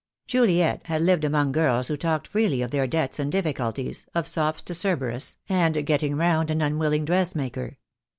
Juliet had lived among girls who talked freely of their debts and difficulties, of sops to Cerberus, and getting round an unwilling dressmaker.